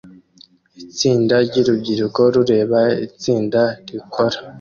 Itsinda ryurubyiruko rureba itsinda rikora